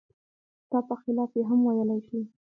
ستا په خلاف یې هم ویلای شي.